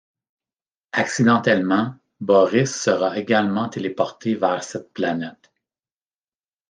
Accidentellement, Boris sera également téléporté vers cette planète.